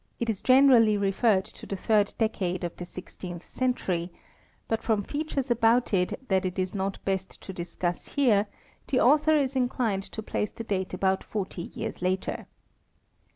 is generally referred to the third decade of the sixteenth century, but from features about it that it is not best to discuss here the author is inclined to place the date about forty years later.